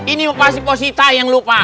ini pasti posi tai yang lupa